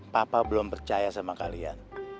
papa belum percaya sama kalian